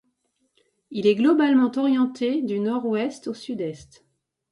Il est globalement orienté du nord-ouest au sud-est.